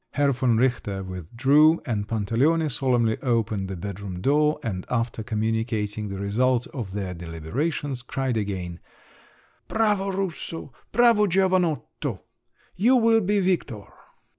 Herr von Richter withdrew, and Pantaleone solemnly opened the bedroom door, and after communicating the result of their deliberations, cried again: "Bravo Russo! Bravo giovanotto! You will be victor!"